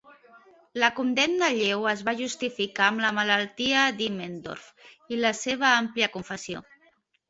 La condemna lleu es va justificar amb la malaltia d'Immendorff i la seva àmplia confessió.